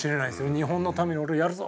「日本のために俺はやるぞ！」